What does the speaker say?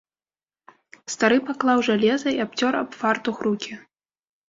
Стары паклаў жалеза і абцёр аб фартух рукі.